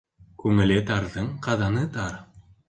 Күңеле тарҙың ҡаҙаны тар.